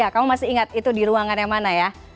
kamu masih ingat itu di ruangan yang mana ya